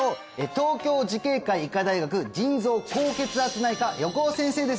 東京慈恵会医科大学腎臓・高血圧内科横尾先生です